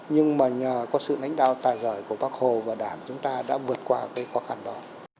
nhưng có sự nánh đao tài giỏi của bắc hồ và đảng chúng ta đã vượt qua khó khăn đó